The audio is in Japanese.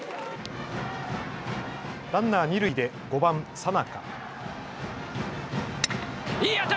ランナー二塁で５番・佐仲。